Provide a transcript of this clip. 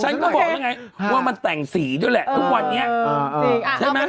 ฉันก็บอกแล้วไงว่ามันแต่งสีด้วยแหละทุกวันนี้ใช่ไหม